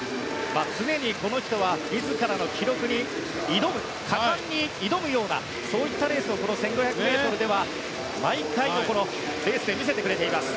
常にこの人は自らの記録に挑む果敢に挑むようなレースを１５００ｍでは毎回見せてくれています。